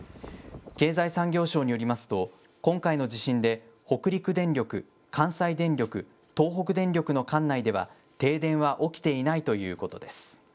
経済産業省によりますと、今回の地震で北陸電力、関西電力、東北電力の管内では、停電は起きていないということです。